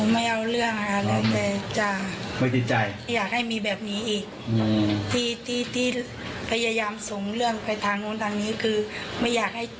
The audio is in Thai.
ไม่ดื่มอีกแล้วครับไม่ดื่มตลอดไปไม่ดื่มวันนี้